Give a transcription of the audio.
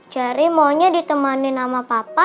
cari maunya ditemani sama papa